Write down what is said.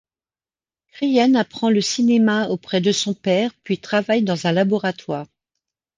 Krien apprend le cinéma auprès de son père puis travaille dans un laboratoire.